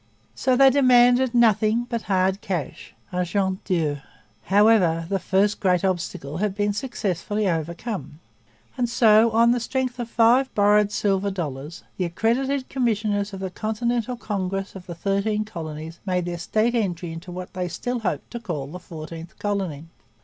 So they demanded nothing but hard cash argent dur. However, the first great obstacle had been successfully overcome; and so, on the strength of five borrowed silver dollars, the accredited commissioners of the Continental Congress of the Thirteen Colonies made their state entry into what they still hoped to call the Fourteenth Colony.